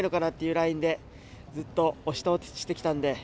ラインでずっと押し通してきたので。